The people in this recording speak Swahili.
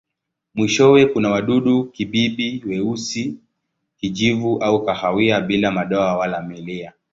Mwishowe kuna wadudu-kibibi weusi, kijivu au kahawia bila madoa wala milia.